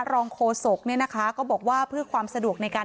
โคศกเนี่ยนะคะก็บอกว่าเพื่อความสะดวกในการ